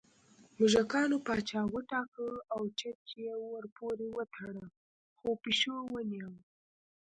موږکانو پاچا وټاکه او چج یې ورپورې وتړه خو پېشو ونیوه